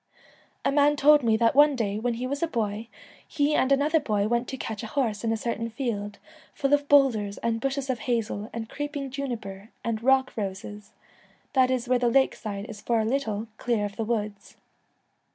A man told me that one day, when he was a boy, he and another boy went to catch a horse in a certain field, full of boulders and bushes of hazel and creeping juniper and rock roses, that is where the lake side is for a little clear of the woods.